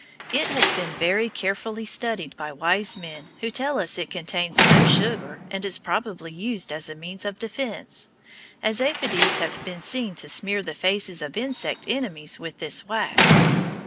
It has been very carefully studied by wise men who tell us it contains no sugar and is probably used as a means of defence, as aphides have been seen to smear the faces of insect enemies with this wax.